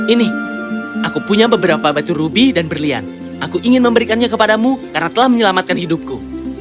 ini aku punya beberapa batu rubi dan berlian aku ingin memberikannya kepadamu karena telah menyelamatkan hidupku